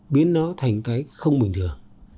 mình thấy không bình thường